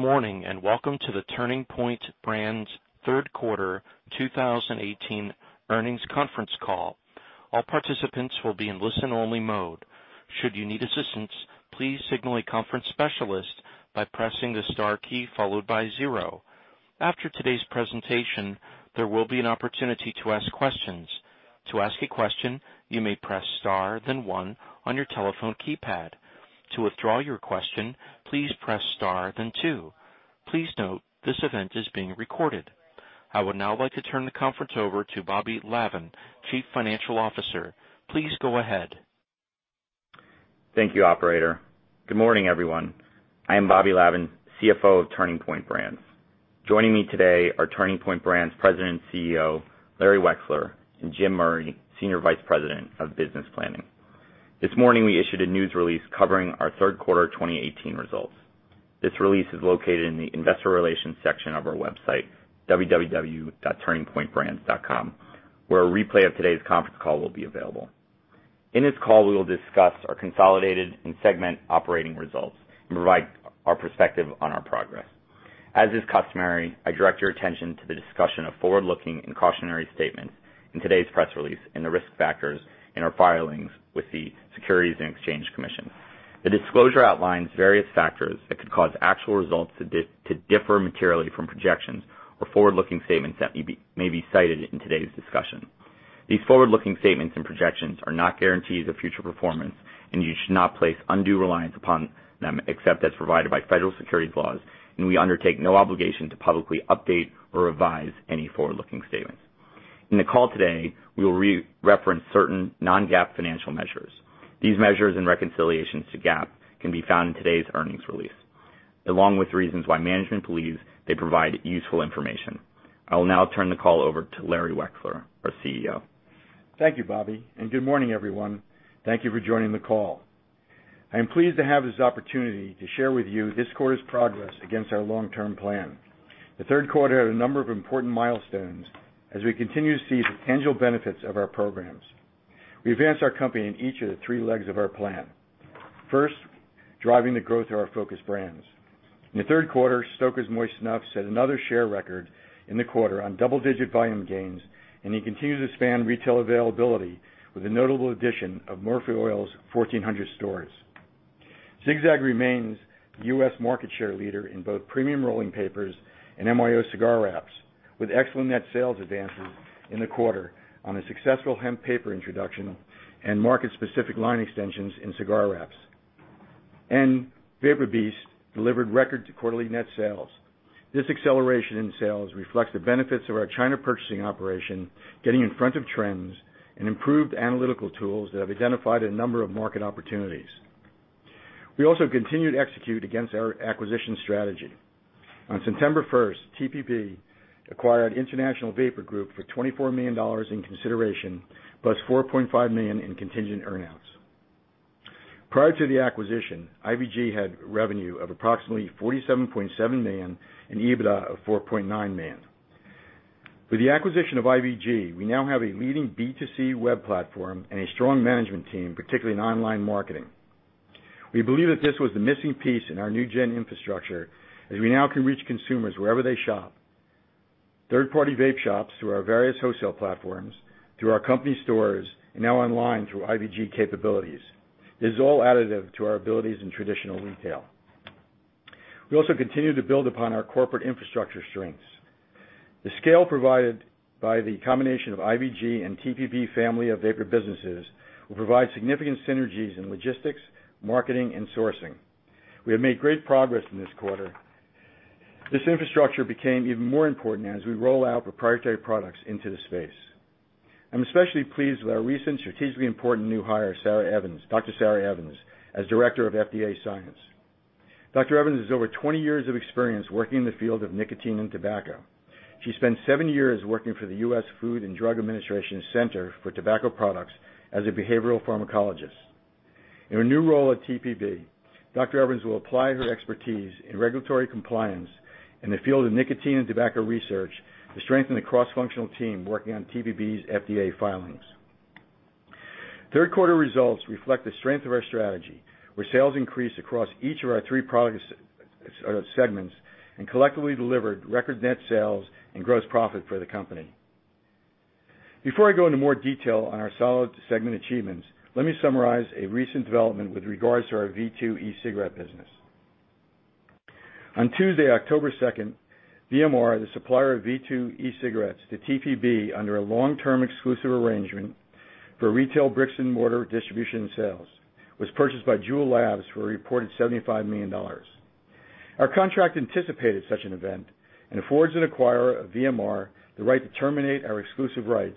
Good morning, and welcome to the Turning Point Brands third quarter 2018 earnings conference call. All participants will be in listen-only mode. Should you need assistance, please signal a conference specialist by pressing the star key followed by zero. After today's presentation, there will be an opportunity to ask questions. To ask a question, you may press star, then one on your telephone keypad. To withdraw your question, please press star, then two. Please note, this event is being recorded. I would now like to turn the conference over to Bobby Lavan, Chief Financial Officer. Please go ahead. Thank you, operator. Good morning, everyone. I am Bobby Lavan, CFO of Turning Point Brands. Joining me today are Turning Point Brands President and CEO, Larry Wexler, and Jim Murray, Senior Vice President of Business Planning. This morning, we issued a news release covering our third quarter 2018 results. This release is located in the investor relations section of our website, www.turningpointbrands.com, where a replay of today's conference call will be available. In this call, we will discuss our consolidated and segment operating results and provide our perspective on our progress. As is customary, I direct my attention to the discussion of forward-looking and cautionary statements in today's press release, the risk factors in our filings with the Securities and Exchange Commission. The disclosure outlines various factors that could cause actual results to differ materially from projections or forward-looking statements that may be cited in today's discussion. These forward-looking statements and projections are not guarantees of future performance, you should not place undue reliance upon them except as provided by federal securities laws, we undertake no obligation to publicly update or revise any forward-looking statements. In the call today, we will reference certain non-GAAP financial measures. These measures and reconciliations to GAAP can be found in today's earnings release, along with reasons why management believes they provide useful information. I will now turn the call over to Larry Wexler, our CEO. Thank you, Bobby, good morning, everyone. Thank you for joining the call. I am pleased to have this opportunity to share with you this quarter's progress against our long-term plan. The third quarter had a number of important milestones as we continue to see the tangible benefits of our programs. We advanced our company in each of the three legs of our plan. First, driving the growth of our focus brands. In the third quarter, Stoker's Moist Snuffs set another share record in the quarter on double-digit volume gains, they continue to expand retail availability with the notable addition of Murphy Oil's 1,400 stores. Zig-Zag remains the U.S. market share leader in both premium rolling papers and MYO cigar wraps, with excellent net sales advances in the quarter on a successful hemp paper introduction and market-specific line extensions in cigar wraps. Vapor Beast delivered record quarterly net sales. This acceleration in sales reflects the benefits of our China purchasing operation, getting in front of trends, and improved analytical tools that have identified a number of market opportunities. We also continued to execute against our acquisition strategy. On September 1st, TPB acquired International Vapor Group for $24 million in consideration, plus $4.5 million in contingent earn-outs. Prior to the acquisition, IVG had revenue of approximately $47.7 million and EBITDA of $4.9 million. With the acquisition of IVG, we now have a leading B2C web platform and a strong management team, particularly in online marketing. We believe that this was the missing piece in our NewGen infrastructure, as we now can reach consumers wherever they shop, third-party vape shops through our various wholesale platforms, through our company stores, and now online through IVG capabilities. This is all additive to our abilities in traditional retail. We also continue to build upon our corporate infrastructure strengths. The scale provided by the combination of IVG and TPB family of vapor businesses will provide significant synergies in logistics, marketing, and sourcing. We have made great progress in this quarter. This infrastructure became even more important as we roll out proprietary products into the space. I am especially pleased with our recent strategically important new hire, Dr. Sarah Evans, as Director of FDA Science. Dr. Evans has over 20 years of experience working in the field of nicotine and tobacco. She spent seven years working for the U.S. Food and Drug Administration's Center for Tobacco Products as a behavioral pharmacologist. In her new role at TPB, Dr. Evans will apply her expertise in regulatory compliance in the field of nicotine and tobacco research to strengthen the cross-functional team working on TPB's FDA filings. Third quarter results reflect the strength of our strategy, where sales increased across each of our three product segments and collectively delivered record net sales and gross profit for the company. Before I go into more detail on our solid segment achievements, let me summarize a recent development with regards to our V2 e-cigarette business. On Tuesday, October 2nd, VMR, the supplier of V2 e-cigarettes to TPB under a long-term exclusive arrangement for retail bricks and mortar distribution and sales, was purchased by Juul Labs for a reported $75 million. Our contract anticipated such an event and affords an acquirer of VMR the right to terminate our exclusive rights,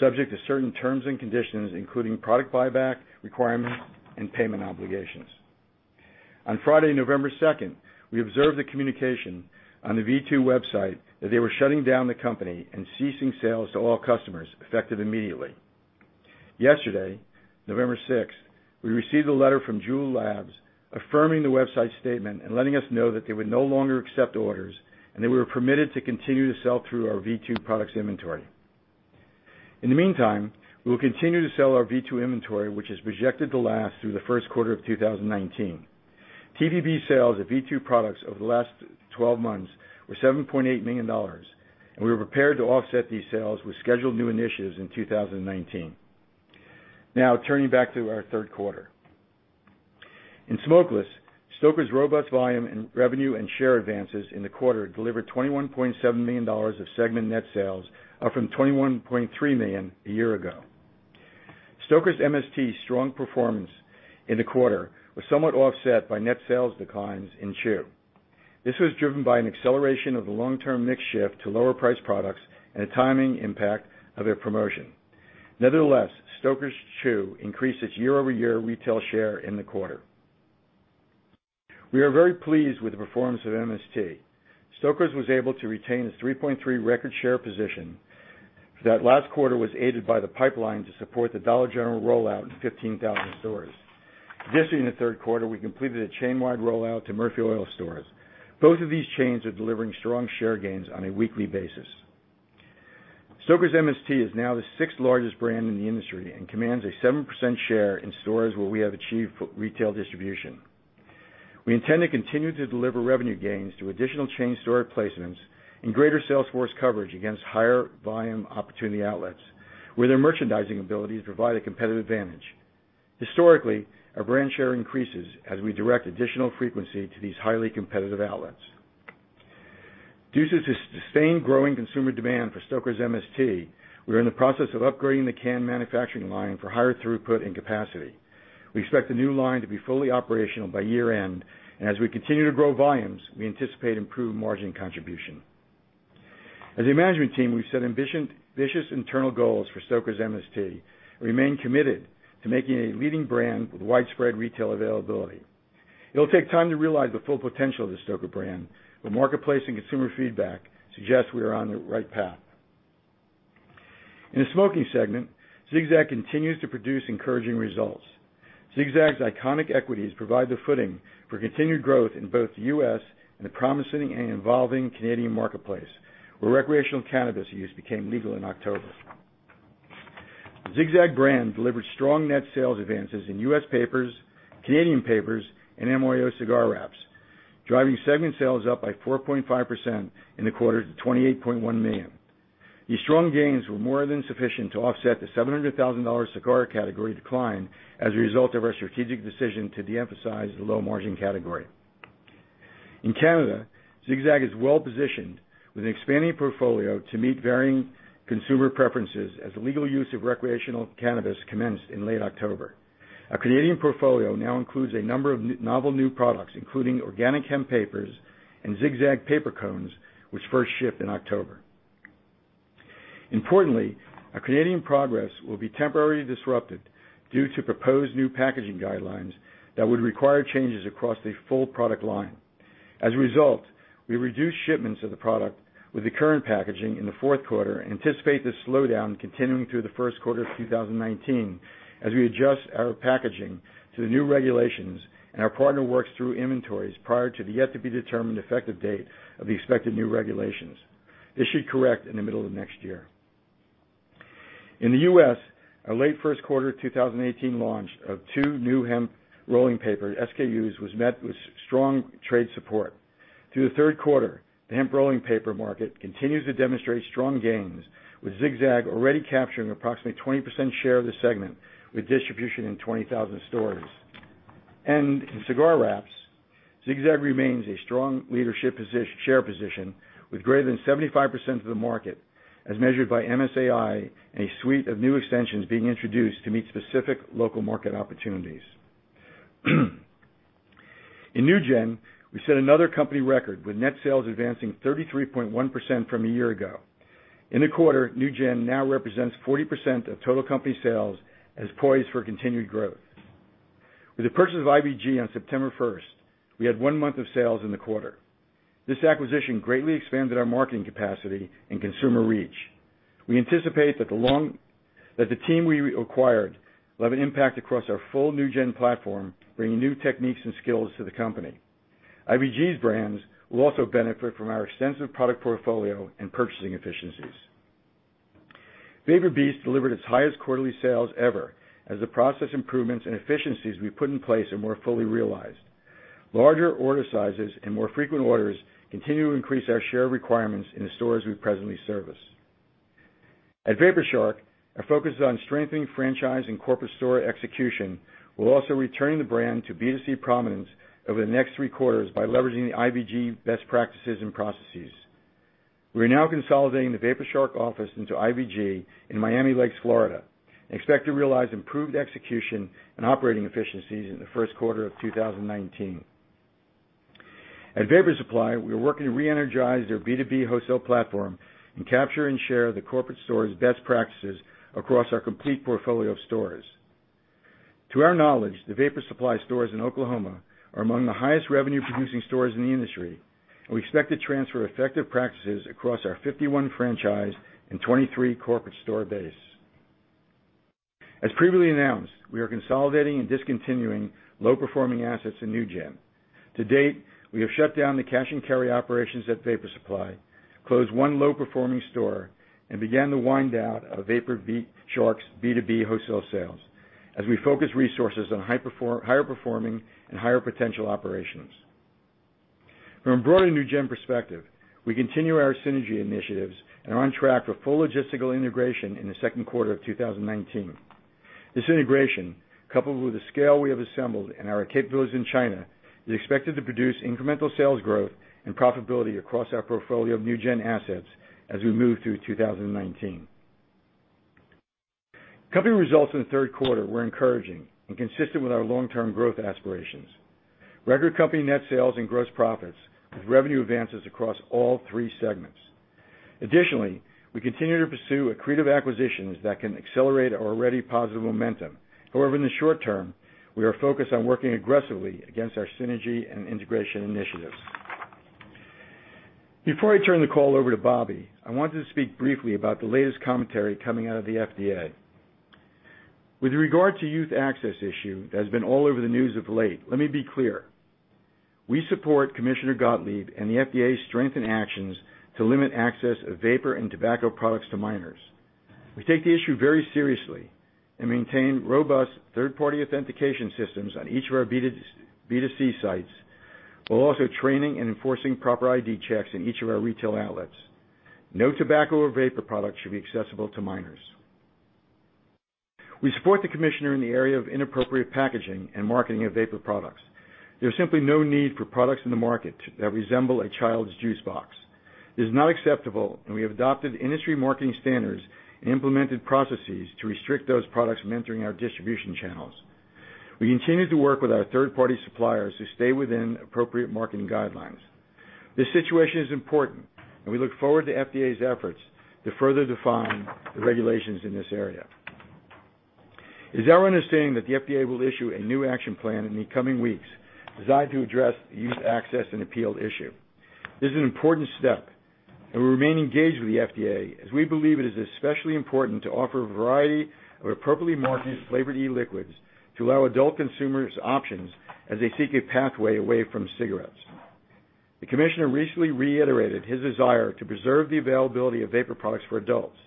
subject to certain terms and conditions, including product buyback requirements and payment obligations. On Friday, November 2nd, we observed the communication on the V2 website that they were shutting down the company and ceasing sales to all customers, effective immediately. Yesterday, November 6th, we received a letter from Juul Labs affirming the website statement and letting us know that they would no longer accept orders, and they were permitted to continue to sell through our V2 products inventory. In the meantime, we will continue to sell our V2 inventory, which is projected to last through the first quarter of 2019. TPB sales of V2 products over the last 12 months were $7.8 million, and we are prepared to offset these sales with scheduled new initiatives in 2019. Turning back to our third quarter. In smokeless, Stoker's robust volume in revenue and share advances in the quarter delivered $21.7 million of segment net sales, up from $21.3 million a year ago. Stoker's MST strong performance in the quarter was somewhat offset by net sales declines in chew. This was driven by an acceleration of the long-term mix shift to lower priced products and the timing impact of their promotion. Nevertheless, Stoker's Chew increased its year-over-year retail share in the quarter. We are very pleased with the performance of MST. Stoker's was able to retain its 3.3% record share position that last quarter was aided by the pipeline to support the Dollar General rollout in 15,000 stores. Additionally, in the third quarter, we completed a chain-wide rollout to Murphy USA stores. Both of these chains are delivering strong share gains on a weekly basis. Stoker's MST is now the sixth largest brand in the industry and commands a 7% share in stores where we have achieved retail distribution. We intend to continue to deliver revenue gains through additional chain store placements and greater sales force coverage against higher volume opportunity outlets, where their merchandising abilities provide a competitive advantage. Historically, our brand share increases as we direct additional frequency to these highly competitive outlets. Due to the sustained growing consumer demand for Stoker's MST, we are in the process of upgrading the can manufacturing line for higher throughput and capacity. We expect the new line to be fully operational by year-end, and as we continue to grow volumes, we anticipate improved margin contribution. As a management team, we've set ambitious internal goals for Stoker's MST and remain committed to making it a leading brand with widespread retail availability. It'll take time to realize the full potential of the Stoker's brand, but marketplace and consumer feedback suggest we are on the right path. In the smoking segment, Zig-Zag continues to produce encouraging results. Zig-Zag's iconic equities provide the footing for continued growth in both the U.S. and the promising and evolving Canadian marketplace, where recreational cannabis use became legal in October. Zig-Zag brand delivered strong net sales advances in U.S. papers, Canadian papers, and MYO cigar wraps, driving segment sales up by 4.5% in the quarter to $28.1 million. These strong gains were more than sufficient to offset the $700,000 cigar category decline as a result of our strategic decision to de-emphasize the low margin category. In Canada, Zig-Zag is well-positioned with an expanding portfolio to meet varying consumer preferences as the legal use of recreational cannabis commenced in late October. Our Canadian portfolio now includes a number of novel new products, including organic hemp papers and Zig-Zag paper cones, which first shipped in October. Importantly, our Canadian progress will be temporarily disrupted due to proposed new packaging guidelines that would require changes across the full product line. As a result, we reduced shipments of the product with the current packaging in the fourth quarter and anticipate this slowdown continuing through the first quarter of 2019 as we adjust our packaging to the new regulations and our partner works through inventories prior to the yet to be determined effective date of the expected new regulations. This should correct in the middle of next year. In the U.S., our late first quarter 2018 launch of two new hemp rolling paper SKUs was met with strong trade support. Through the third quarter, the hemp rolling paper market continues to demonstrate strong gains, with Zig-Zag already capturing approximately 20% share of the segment, with distribution in 20,000 stores. In cigar wraps, Zig-Zag remains a strong leadership share position with greater than 75% of the market as measured by MSAi and a suite of new extensions being introduced to meet specific local market opportunities. In NewGen, we set another company record with net sales advancing 33.1% from a year ago. In the quarter, NewGen now represents 40% of total company sales and is poised for continued growth. With the purchase of IVG on September 1st, we had one month of sales in the quarter. This acquisition greatly expanded our marketing capacity and consumer reach. We anticipate that the team we acquired will have an impact across our full NewGen platform, bringing new techniques and skills to the company. IVG's brands will also benefit from our extensive product portfolio and purchasing efficiencies. Vapor Beast delivered its highest quarterly sales ever as the process improvements and efficiencies we put in place are more fully realized. Larger order sizes and more frequent orders continue to increase our share requirements in the stores we presently service. At Vapor Shark, our focus is on strengthening franchise and corporate store execution, while also returning the brand to B2C prominence over the next three quarters by leveraging the IVG best practices and processes. We are now consolidating the Vapor Shark office into IVG in Miami Lakes, Florida, and expect to realize improved execution and operating efficiencies in the first quarter of 2019. At Vapor Supply, we are working to re-energize their B2B wholesale platform and capture and share the corporate store's best practices across our complete portfolio of stores. To our knowledge, the Vapor Supply stores in Oklahoma are among the highest revenue-producing stores in the industry, and we expect to transfer effective practices across our 51 franchise and 23 corporate store base. As previously announced, we are consolidating and discontinuing low-performing assets in NewGen. To date, we have shut down the cash and carry operations at Vapor Supply, closed one low-performing store, and began the wind-down of Vapor Shark's B2B wholesale sales as we focus resources on higher performing and higher potential operations. From a broader NewGen perspective, we continue our synergy initiatives and are on track for full logistical integration in the second quarter of 2019. This integration, coupled with the scale we have assembled and our capabilities in China, is expected to produce incremental sales growth and profitability across our portfolio of NewGen assets as we move through 2019. Company results in the third quarter were encouraging and consistent with our long-term growth aspirations. Record company net sales and gross profits with revenue advances across all three segments. Additionally, we continue to pursue accretive acquisitions that can accelerate our already positive momentum. However, in the short term, we are focused on working aggressively against our synergy and integration initiatives. Before I turn the call over to Bobby, I wanted to speak briefly about the latest commentary coming out of the FDA. With regard to youth access issue that has been all over the news of late, let me be clear. We support Commissioner Gottlieb and the FDA's strengthened actions to limit access of vapor and tobacco products to minors. We take the issue very seriously and maintain robust third-party authentication systems on each of our B2C sites, while also training and enforcing proper ID checks in each of our retail outlets. No tobacco or vapor products should be accessible to minors. We support the Commissioner in the area of inappropriate packaging and marketing of vapor products. There is simply no need for products in the market that resemble a child's juice box. It is not acceptable, and we have adopted industry marketing standards and implemented processes to restrict those products from entering our distribution channels. We continue to work with our third-party suppliers to stay within appropriate marketing guidelines. This situation is important, and we look forward to FDA's efforts to further define the regulations in this area. It is our understanding that the FDA will issue a new action plan in the coming weeks designed to address the youth access and appeal issue. This is an important step, and we remain engaged with the FDA as we believe it is especially important to offer a variety of appropriately marketed flavored e-liquids to allow adult consumers options as they seek a pathway away from cigarettes. The Commissioner recently reiterated his desire to preserve the availability of vapor products for adults,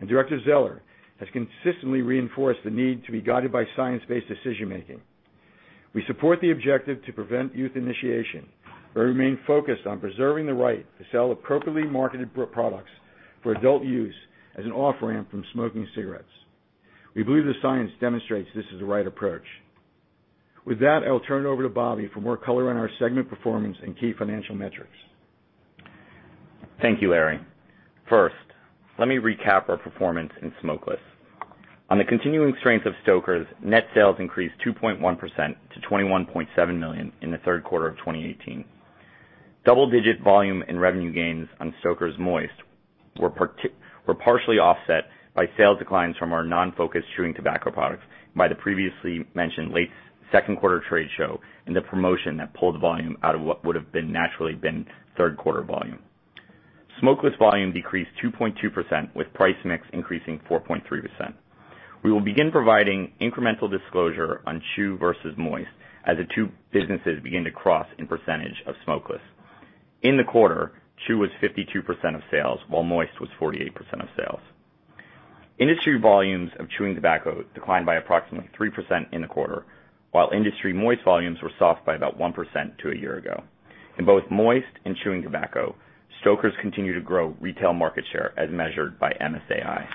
and Director Zeller has consistently reinforced the need to be guided by science-based decision-making. We support the objective to prevent youth initiation, but remain focused on preserving the right to sell appropriately marketed products for adult use as an off-ramp from smoking cigarettes. We believe the science demonstrates this is the right approach. With that, I will turn it over to Bobby for more color on our segment performance and key financial metrics. Thank you, Larry. First, let me recap our performance in smokeless. On the continuing strength of Stoker's, net sales increased 2.1% to $21.7 million in the third quarter of 2018. Double-digit volume and revenue gains on Stoker's Moist were partially offset by sales declines from our non-focused chewing tobacco products by the previously mentioned late second quarter trade show and the promotion that pulled volume out of what would have naturally been third quarter volume. Smokeless volume decreased 2.2% with price mix increasing 4.3%. We will begin providing incremental disclosure on chew versus moist as the two businesses begin to cross in percentage of smokeless. In the quarter, chew was 52% of sales, while moist was 48% of sales. Industry volumes of chewing tobacco declined by approximately 3% in the quarter, while industry moist volumes were soft by about 1% to a year ago. In both moist and chewing tobacco, Stoker's continue to grow retail market share as measured by MSAi.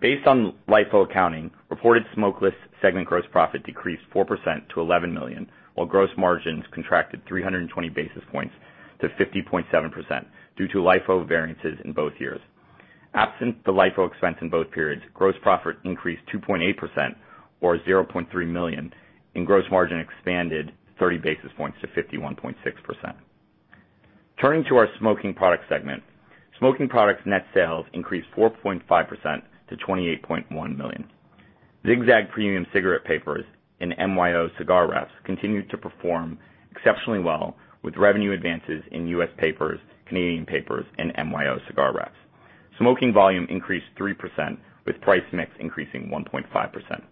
Based on LIFO accounting, reported smokeless segment gross profit decreased 4% to $11 million, while gross margins contracted 320 basis points to 50.7% due to LIFO variances in both years. Absent the LIFO expense in both periods, gross profit increased 2.8% or $0.3 million, and gross margin expanded 30 basis points to 51.6%. Turning to our smoking product segment. Smoking products net sales increased 4.5% to $28.1 million. Zig-Zag premium cigarette papers and MYO cigar wraps continued to perform exceptionally well with revenue advances in U.S. papers, Canadian papers, and MYO cigar wraps. Smoking volume increased 3% with price mix increasing 1.5%.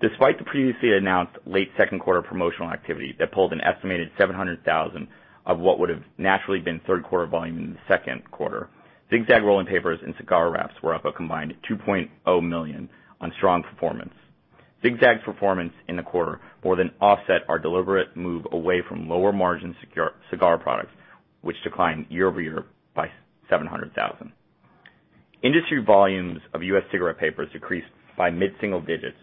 Despite the previously announced late second quarter promotional activity that pulled an estimated $700,000 of what would've naturally been third quarter volume in the second quarter, Zig-Zag rolling papers and cigar wraps were up a combined $2.0 million on strong performance. Zig-Zag's performance in the quarter more than offset our deliberate move away from lower margin cigar products, which declined year-over-year by $700,000. Industry volumes of U.S. cigarette papers decreased by mid-single digits,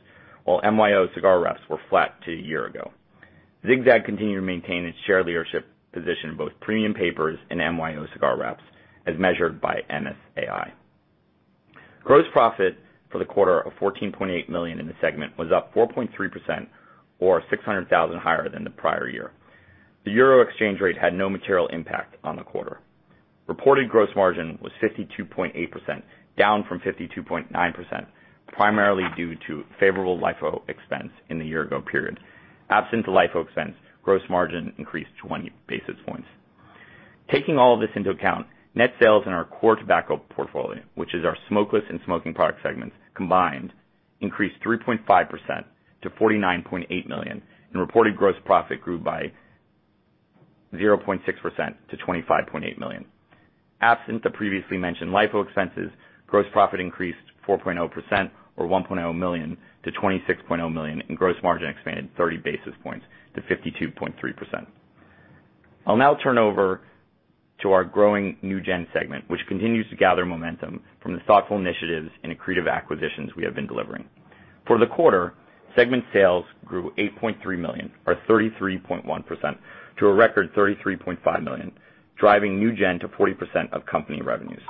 while MYO cigar wraps were flat to a year ago. Zig-Zag continued to maintain its share leadership position in both premium papers and MYO cigar wraps, as measured by MSAi. Gross profit for the quarter of $14.8 million in the segment was up 4.3% or $600,000 higher than the prior year. The euro exchange rate had no material impact on the quarter. Reported gross margin was 52.8%, down from 52.9%, primarily due to favorable LIFO expense in the year-ago period. Absent the LIFO expense, gross margin increased 20 basis points. Taking all this into account, net sales in our core tobacco portfolio, which is our smokeless and smoking product segments combined, increased 3.5% to $49.8 million, and reported gross profit grew by 0.6% to $25.8 million. Absent the previously mentioned LIFO expenses, gross profit increased 4.0%, or $1.0 million to $26.0 million, and gross margin expanded 30 basis points to 52.3%. I'll now turn over to our growing NewGen segment, which continues to gather momentum from the thoughtful initiatives and accretive acquisitions we have been delivering. For the quarter, segment sales grew $8.3 million or 33.1% to a record $33.5 million, driving NewGen to 40% of company revenues.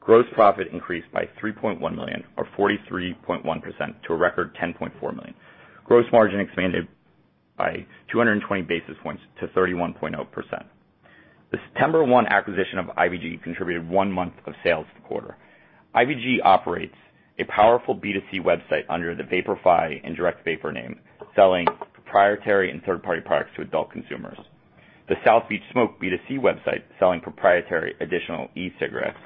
Gross profit increased by $3.1 million or 43.1% to a record $10.4 million. Gross margin expanded by 220 basis points to 31.0%. The September 1 acquisition of IVG contributed one month of sales to the quarter. IVG operates a powerful B2C website under the VaporFi and DirectVapor name, selling proprietary and third-party products to adult consumers. The South Beach Smoke B2C website selling proprietary additional e-cigarettes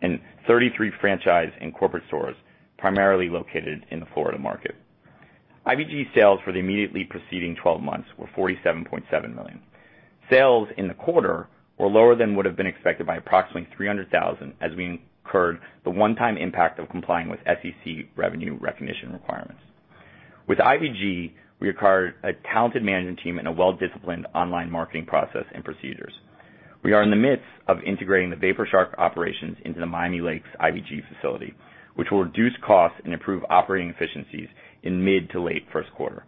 in 33 franchise and corporate stores, primarily located in the Florida market. IVG sales for the immediately preceding 12 months were $47.7 million. Sales in the quarter were lower than would've been expected by approximately $300,000 as we incurred the one-time impact of complying with SEC revenue recognition requirements. With IVG, we acquired a talented management team and a well-disciplined online marketing process and procedures. We are in the midst of integrating the Vapor Shark operations into the Miami Lakes IVG facility, which will reduce costs and improve operating efficiencies in mid to late first quarter.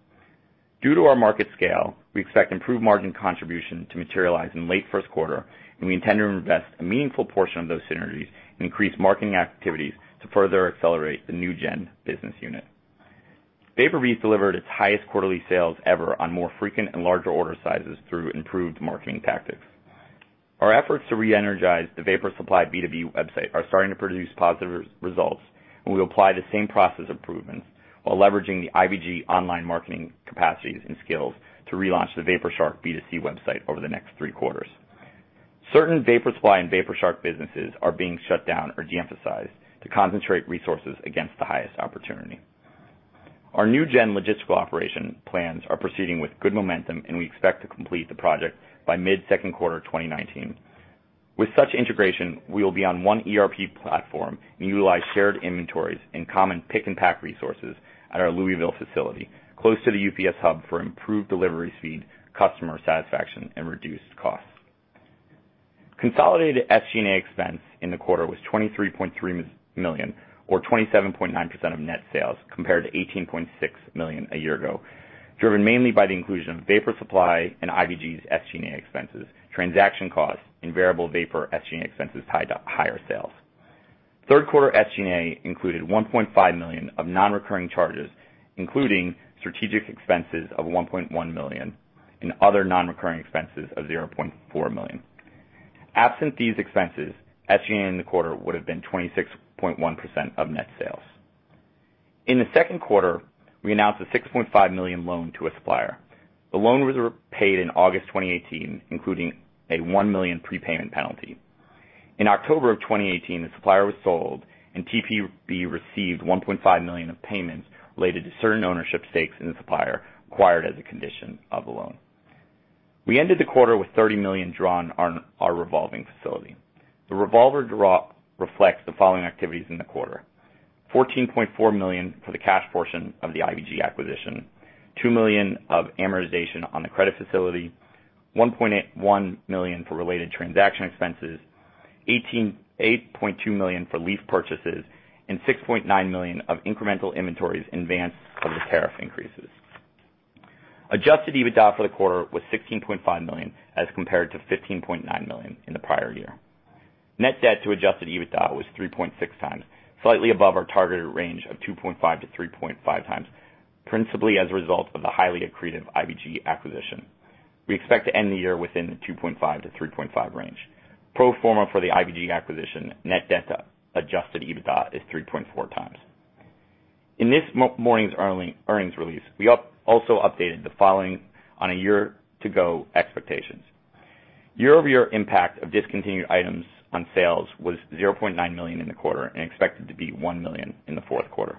Due to our market scale, we expect improved margin contribution to materialize in late first quarter, and we intend to invest a meaningful portion of those synergies and increase marketing activities to further accelerate the NewGen business unit. Vapor Beast delivered its highest quarterly sales ever on more frequent and larger order sizes through improved marketing tactics. Our efforts to reenergize the Vapor Supply B2B website are starting to produce positive results, and we apply the same process improvements while leveraging the IVG online marketing capacities and skills to relaunch the Vapor Shark B2C website over the next three quarters. Certain Vapor Supply and Vapor Shark businesses are being shut down or de-emphasized to concentrate resources against the highest opportunity. Our NewGen logistical operation plans are proceeding with good momentum. We expect to complete the project by mid-second quarter 2019. With such integration, we will be on one ERP platform and utilize shared inventories and common pick and pack resources at our Louisville facility, close to the UPS hub for improved delivery speed, customer satisfaction, and reduced costs. Consolidated SG&A expense in the quarter was $23.3 million, or 27.9% of net sales, compared to $18.6 million a year ago, driven mainly by the inclusion of Vapor Supply and IVG's SG&A expenses, transaction costs, and variable Vapor SG&A expenses tied to higher sales. Third quarter SG&A included $1.5 million of non-recurring charges, including strategic expenses of $1.1 million and other non-recurring expenses of $0.4 million. Absent these expenses, SG&A in the quarter would've been 26.1% of net sales. In the second quarter, we announced a $6.5 million loan to a supplier. The loan was repaid in August 2018, including a $1 million prepayment penalty. In October of 2018, the supplier was sold, and TPB received $1.5 million of payments related to certain ownership stakes in the supplier acquired as a condition of the loan. We ended the quarter with $30 million drawn on our revolving facility. The revolver draw reflects the following activities in the quarter: $14.4 million for the cash portion of the IVG acquisition, $2 million of amortization on the credit facility, $1.1 million for related transaction expenses, $8.2 million for leaf purchases, and $6.9 million of incremental inventories in advance of the tariff increases. Adjusted EBITDA for the quarter was $16.5 million as compared to $15.9 million in the prior year. Net debt to adjusted EBITDA was 3.6 times, slightly above our targeted range of 2.5 to 3.5 times, principally as a result of the highly accretive IVG acquisition. We expect to end the year within the 2.5 to 3.5 range. Pro forma for the IVG acquisition, net debt to adjusted EBITDA is 3.4 times. In this morning's earnings release, we also updated the following on a year-to-go expectations. Year-over-year impact of discontinued items on sales was $0.9 million in the quarter and expected to be $1 million in the fourth quarter.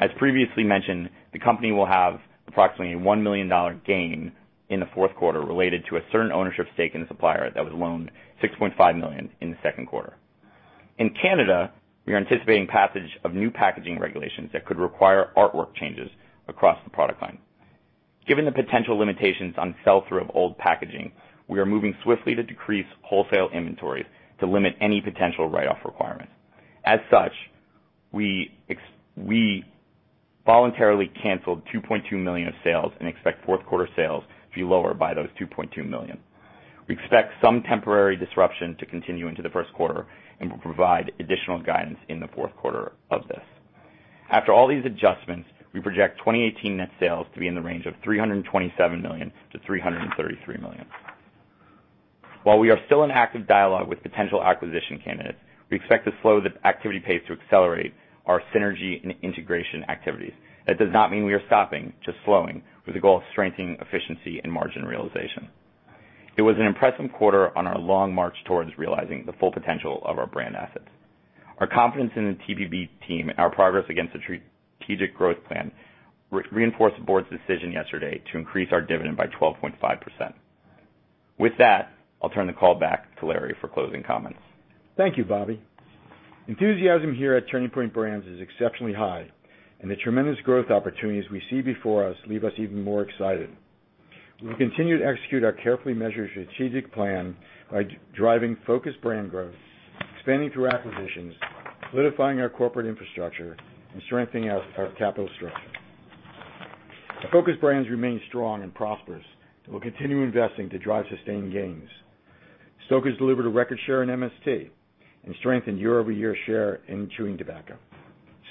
As previously mentioned, the company will have approximately a $1 million gain in the fourth quarter related to a certain ownership stake in the supplier that was loaned $6.5 million in the second quarter. In Canada, we are anticipating passage of new packaging regulations that could require artwork changes across the product line. Given the potential limitations on sell-through of old packaging, we are moving swiftly to decrease wholesale inventories to limit any potential write-off requirements. As such, we voluntarily canceled $2.2 million of sales and expect fourth quarter sales to be lower by those $2.2 million. We expect some temporary disruption to continue into the first quarter and will provide additional guidance in the fourth quarter of this. After all these adjustments, we project 2018 net sales to be in the range of $327 million-$333 million. While we are still in active dialogue with potential acquisition candidates, we expect the slow of the activity pace to accelerate our synergy and integration activities. That does not mean we are stopping, just slowing, with the goal of strengthening efficiency and margin realization. It was an impressive quarter on our long march towards realizing the full potential of our brand assets. Our confidence in the TPB team, our progress against the strategic growth plan reinforced the board's decision yesterday to increase our dividend by 12.5%. With that, I'll turn the call back to Larry for closing comments. Thank you, Bobby. Enthusiasm here at Turning Point Brands is exceptionally high, and the tremendous growth opportunities we see before us leave us even more excited. We continue to execute our carefully measured strategic plan by driving focused brand growth, expanding through acquisitions, solidifying our corporate infrastructure, and strengthening our capital structure. Our focused brands remain strong and prosperous, and we'll continue investing to drive sustained gains. Stoker's delivered a record share in MST and strengthened year-over-year share in chewing tobacco.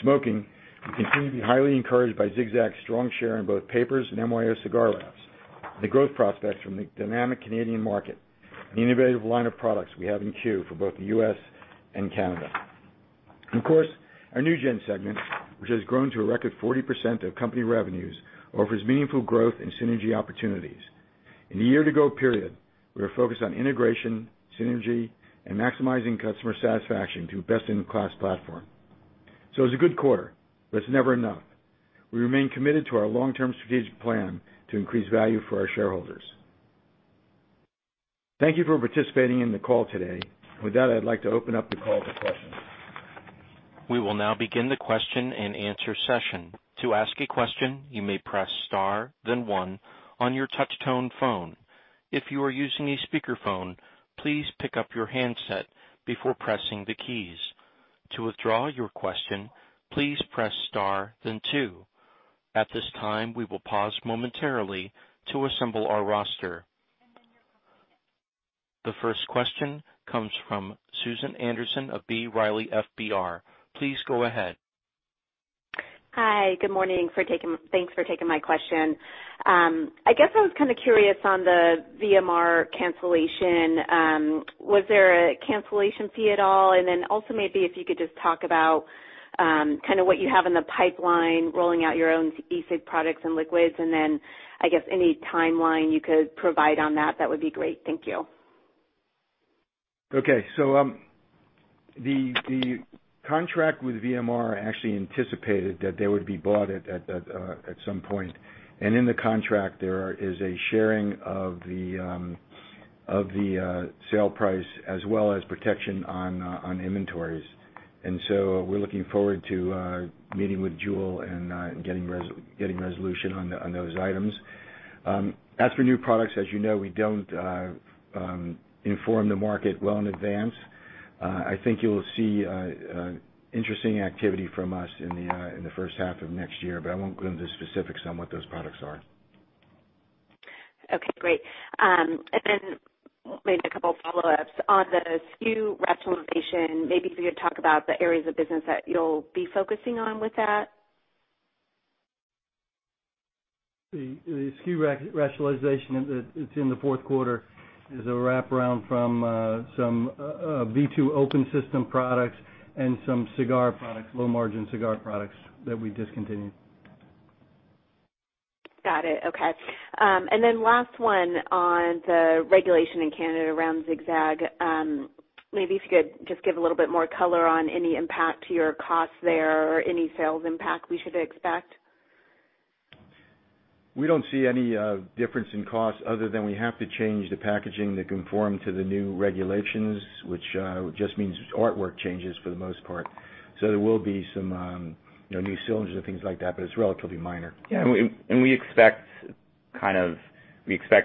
Smoking, we continue to be highly encouraged by Zig-Zag's strong share in both papers and MYO cigar wraps, the growth prospects from the dynamic Canadian market, the innovative line of products we have in queue for both the U.S. and Canada. Of course, our NewGen segment, which has grown to a record 40% of company revenues, offers meaningful growth and synergy opportunities. In the year-to-go period, we are focused on integration, synergy, and maximizing customer satisfaction through best-in-class platform. It was a good quarter, but it's never enough. We remain committed to our long-term strategic plan to increase value for our shareholders. Thank you for participating in the call today. With that, I'd like to open up the call to questions. We will now begin the question and answer session. To ask a question, you may press star then one on your touch tone phone. If you are using a speakerphone, please pick up your handset before pressing the keys. To withdraw your question, please press star then two. At this time, we will pause momentarily to assemble our roster. The first question comes from Susan Anderson of B. Riley FBR. Please go ahead. Hi. Good morning. Thanks for taking my question. I guess I was kind of curious on the VMR cancellation. Was there a cancellation fee at all? Also maybe if you could just talk about what you have in the pipeline, rolling out your own e-cig products and liquids, I guess any timeline you could provide on that would be great. Thank you. Okay. The contract with VMR actually anticipated that they would be bought at some point. In the contract, there is a sharing of the sale price as well as protection on inventories. We're looking forward to meeting with Juul and getting resolution on those items. As for new products, as you know, we don't inform the market well in advance. I think you'll see interesting activity from us in the first half of next year, I won't go into specifics on what those products are. Okay, great. Maybe a couple of follow-ups. On the SKU rationalization, maybe if you could talk about the areas of business that you'll be focusing on with that. The SKU rationalization that's in the fourth quarter is a wraparound from some V2 open system products and some cigar products, low-margin cigar products that we discontinued. Got it. Okay. Last one on the regulation in Canada around Zig-Zag. Maybe if you could just give a little bit more color on any impact to your costs there or any sales impact we should expect. We don't see any difference in costs other than we have to change the packaging to conform to the new regulations, which just means artwork changes for the most part. There will be some new cylinders and things like that, but it's relatively minor. Yeah, we expect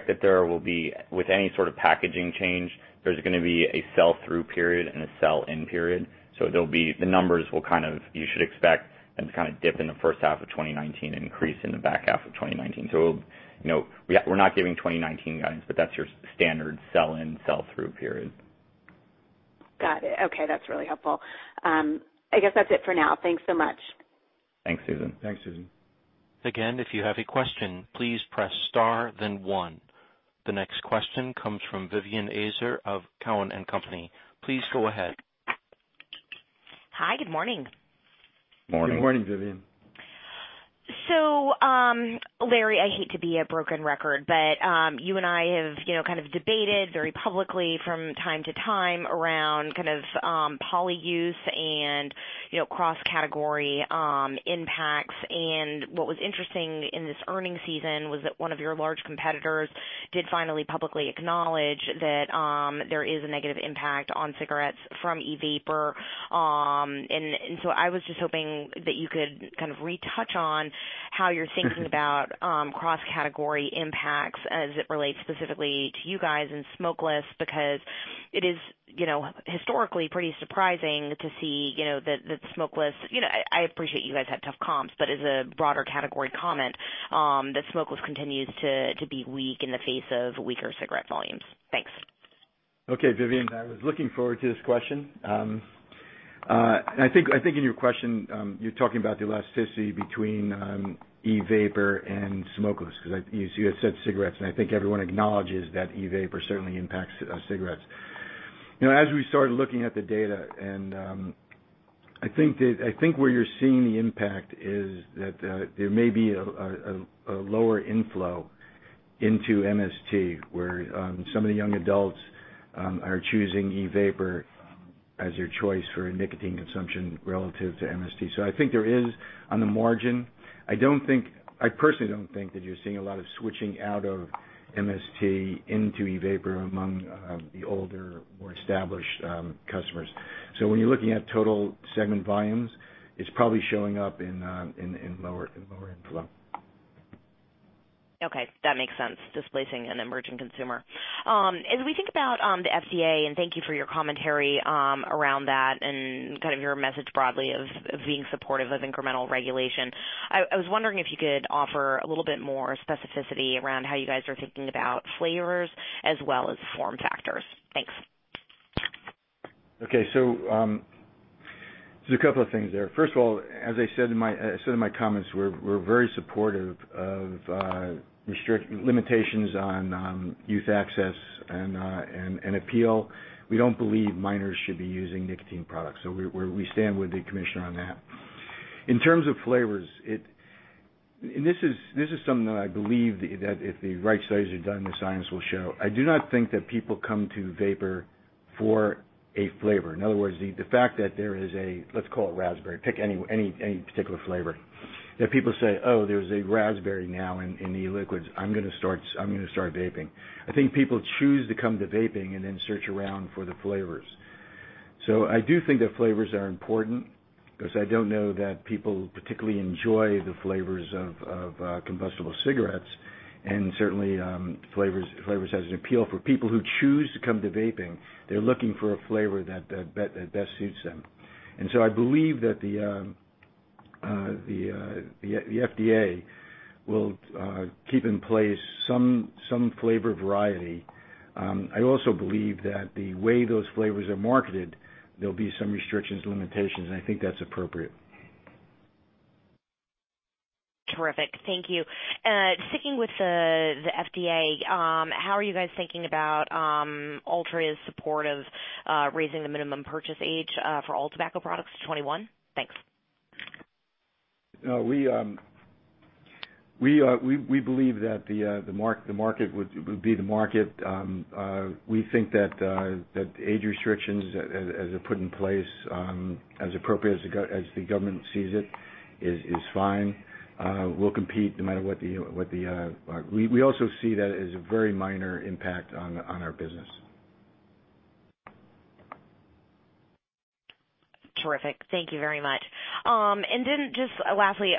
that there will be, with any sort of packaging change, there's going to be a sell-through period and a sell-in period. The numbers you should expect them to dip in the first half of 2019 and increase in the back half of 2019. We're not giving 2019 guidance, but that's your standard sell-in, sell-through period. Got it. Okay, that's really helpful. I guess that's it for now. Thanks so much. Thanks, Susan. Thanks, Susan. Again, if you have a question, please press star then one. The next question comes from Vivien Azer of Cowen and Company. Please go ahead. Hi, good morning. Morning. Good morning, Vivien. Larry, I hate to be a broken record, but you and I have kind of debated very publicly from time to time around poly use and cross-category impacts. What was interesting in this earning season was that one of your large competitors did finally publicly acknowledge that there is a negative impact on cigarettes from e-vapor. I was just hoping that you could kind of retouch on how you're thinking about cross-category impacts as it relates specifically to you guys and smokeless, because it is historically pretty surprising to see that smokeless I appreciate you guys had tough comps, but as a broader category comment, that smokeless continues to be weak in the face of weaker cigarette volumes. Thanks. Okay, Vivien, I was looking forward to this question. I think in your question, you're talking about the elasticity between e-vapor and smokeless, because you had said cigarettes, and I think everyone acknowledges that e-vapor certainly impacts cigarettes. As we started looking at the data and I think where you're seeing the impact is that there may be a lower inflow into MST where some of the young adults are choosing e-vapor as their choice for nicotine consumption relative to MST. I think there is on the margin. I personally don't think that you're seeing a lot of switching out of MST into e-vapor among the older, more established customers. When you're looking at total segment volumes, it's probably showing up in lower inflow. That makes sense, displacing an emerging consumer. As we think about the FDA, and thank you for your commentary around that and your message broadly of being supportive of incremental regulation, I was wondering if you could offer a little bit more specificity around how you guys are thinking about flavors as well as form factors. Thanks. There's a couple of things there. First of all, as I said in my comments, we're very supportive of limitations on youth access and appeal. We don't believe minors should be using nicotine products. We stand with the Commissioner on that. In terms of flavors, this is something that I believe that if the right studies are done, the science will show. I do not think that people come to vapor for a flavor. In other words, the fact that there is a, let's call it raspberry, pick any particular flavor. That people say, "Oh, there's a raspberry now in e-liquids. I'm going to start vaping." I think people choose to come to vaping and then search around for the flavors. I do think that flavors are important because I don't know that people particularly enjoy the flavors of combustible cigarettes, and certainly flavor has an appeal for people who choose to come to vaping. They're looking for a flavor that best suits them. I believe that the FDA will keep in place some flavor variety. I also believe that the way those flavors are marketed, there'll be some restrictions, limitations, and I think that's appropriate. Terrific. Thank you. Sticking with the FDA, how are you guys thinking about Altria's support of raising the minimum purchase age for all tobacco products to 21? Thanks. We believe that the market would be the market. We think that age restrictions, as are put in place, as appropriate as the government sees it, is fine. We'll compete no matter what. We also see that as a very minor impact on our business. Terrific. Thank you very much. Just lastly,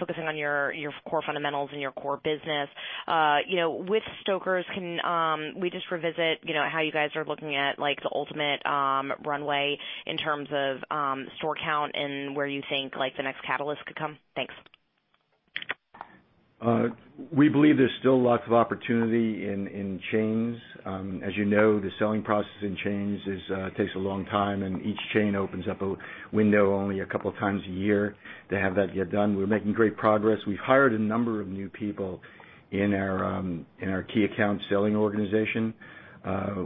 focusing on your core fundamentals and your core business. With Stoker's, can we just revisit how you guys are looking at the ultimate runway in terms of store count and where you think the next catalyst could come? Thanks. We believe there's still lots of opportunity in chains. As you know, the selling process in chains takes a long time, and each chain opens up a window only a couple of times a year to have that get done. We're making great progress. We've hired a number of new people in our key account selling organization.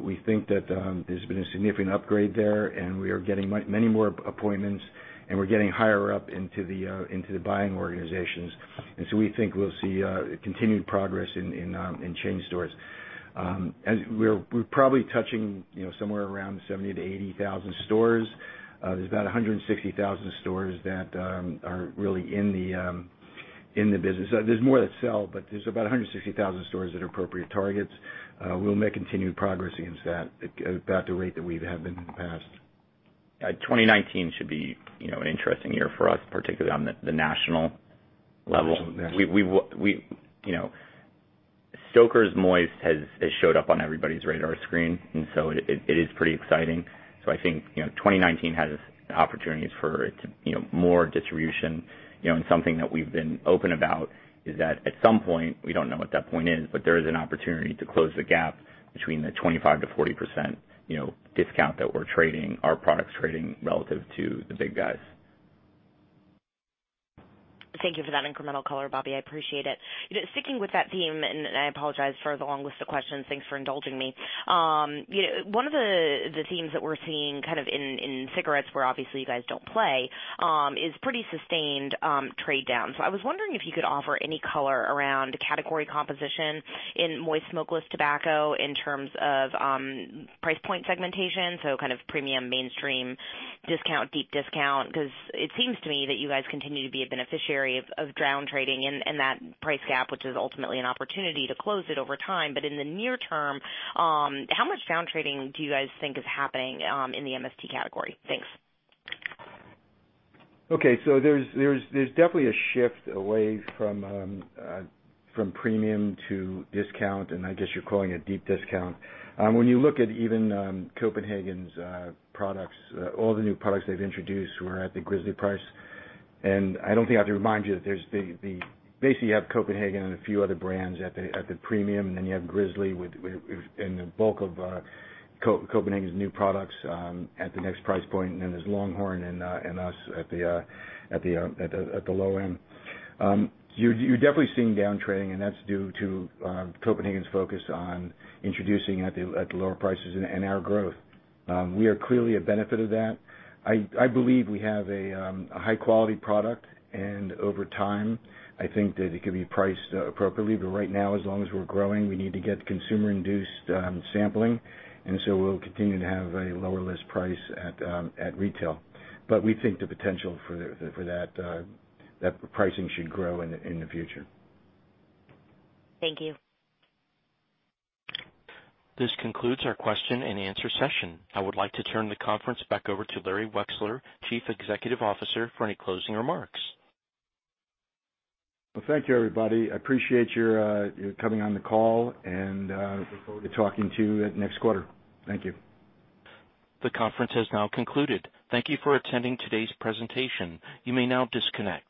We think that there's been a significant upgrade there, and we are getting many more appointments, and we are getting higher up into the buying organizations. We think we'll see continued progress in chain stores. We're probably touching somewhere around 70,000 to 80,000 stores. There's about 160,000 stores that are really in the business. There's more that sell, but there's about 160,000 stores that are appropriate targets. We'll make continued progress against that about the rate that we have been in the past. 2019 should be an interesting year for us, particularly on the national level. Stoker's Moist has showed up on everybody's radar screen, and so it is pretty exciting. I think 2019 has opportunities for more distribution. Something that we've been open about is that at some point, we don't know what that point is, but there is an opportunity to close the gap between the 25%-40% discount that our product's trading relative to the big guys. Thank you for that incremental color, Bobby. I appreciate it. Sticking with that theme, I apologize for the long list of questions. Thanks for indulging me. One of the themes that we're seeing in cigarettes, where obviously you guys don't play, is pretty sustained trade down. I was wondering if you could offer any color around category composition in moist smokeless tobacco in terms of price point segmentation, so kind of premium, mainstream, discount, deep discount. It seems to me that you guys continue to be a beneficiary of down trading and that price gap, which is ultimately an opportunity to close it over time. In the near term, how much down trading do you guys think is happening in the MST category? Thanks. Okay. There's definitely a shift away from premium to discount, and I guess you're calling it deep discount. When you look at even Copenhagen's products, all the new products they've introduced were at the Grizzly price. I don't think I have to remind you that basically, you have Copenhagen and a few other brands at the premium, and then you have Grizzly and the bulk of Copenhagen's new products at the next price point, and then there's Longhorn and us at the low end. You're definitely seeing down trading. That's due to Copenhagen's focus on introducing at the lower prices and our growth. We are clearly a benefit of that. I believe we have a high-quality product, and over time, I think that it can be priced appropriately. Right now, as long as we're growing, we need to get consumer-induced sampling. We'll continue to have a lower list price at retail. We think the potential for that pricing should grow in the future. Thank you. This concludes our question and answer session. I would like to turn the conference back over to Larry Wexler, Chief Executive Officer, for any closing remarks. Well, thank you, everybody. I appreciate your coming on the call and look forward to talking to you next quarter. Thank you. The conference has now concluded. Thank you for attending today's presentation. You may now disconnect.